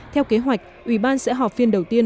theo kế hoạch ủy ban sẽ họp phiên đầu tiên